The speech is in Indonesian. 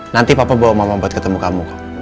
nanti papa bawa mama buat ketemu kamu